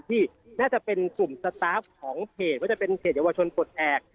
ที่น่าจะเป็นกลุ่มสตาฟของเพจว่าจะเป็นเพจเยาวชนปลดแอบ